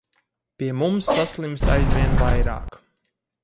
Pie mums saslimst aizvien vairāk.